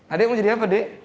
adek mau jadi apa d